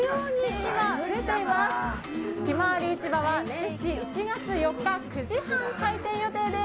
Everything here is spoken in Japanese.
ひまわり市場は年始１月４日９時半開店予定です。